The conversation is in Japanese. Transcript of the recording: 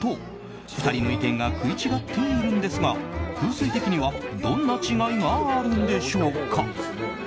２人の意見が食い違っているんですが風水的にはどんな違いがあるんでしょうか。